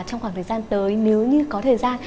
trong khoảng thời gian tới nếu như có thời gian